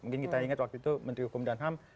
mungkin kita ingat waktu itu menteri hukum dan ham